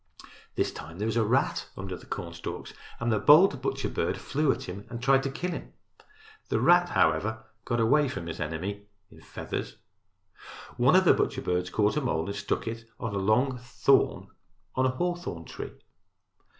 This time there was a rat under the cornstalks and a bold butcher bird flew at him and tried to kill him. The rat, however, got away from his enemy in feathers. One of the butcher birds caught a mole and stuck it on a long thorn on a hawthorn tree.